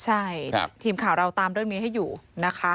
ใช่ทีมข่าวเราตามเรื่องนี้ให้อยู่นะคะ